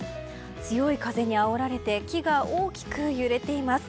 強い風にあおられて木が大きく揺れています。